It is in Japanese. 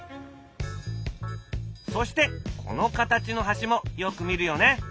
そしてこの形の橋もよく見るよね。